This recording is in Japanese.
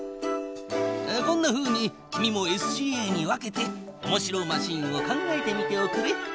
こんなふうに君もＳＣＡに分けておもしろマシンを考えてみておくれ。